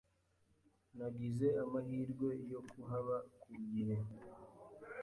Nagize amahirwe yo kuhaba ku gihe.